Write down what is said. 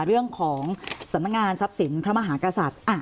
เรื่องของสำนักงานทรัพย์สินพระมหากษัตริย์